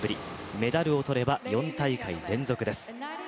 メダルを取れば４大会連続です。